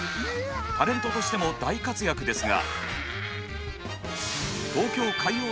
タレントとしても大活躍ですが。